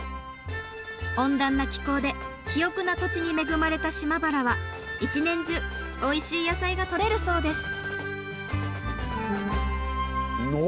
温暖な気候で肥沃な土地に恵まれた島原は一年中おいしい野菜がとれるそうです。